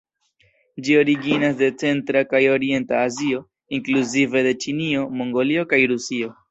Ĝi originas de centra kaj orienta Azio, inkluzive de Ĉinio, Mongolio kaj Rusio.